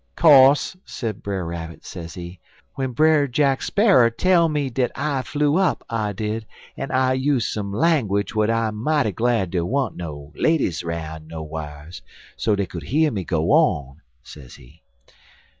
"'Co'se,' sez Brer Rabbit, sezee, 'w'en Brer Jack Sparrer tell me dat I flew up, I did, en I use some langwidge w'ich I'm mighty glad dey weren't no ladies 'round' nowhars so dey could hear me go on, sezee.